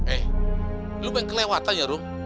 eh lu pengen kelewatan ya rum